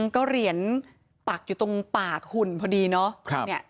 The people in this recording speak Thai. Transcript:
ก็เหรียญปักอยู่ตรงปากหุ่นพอดีเนาะ